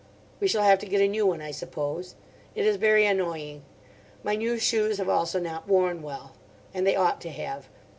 We shall have to get a new one, I suppose. It is very annoying. My new shoes have also not worn well. And they ought to have.